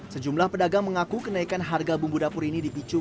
sejumlah pedagang mengaku kenaikan harga bumbu dapur ini dipicu